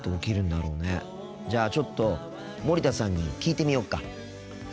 じゃあちょっと森田さんに聞いてみよっか。